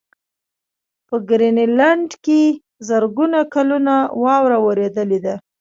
په ګرینلنډ کې زرګونه کلونه واوره ورېدلې ده.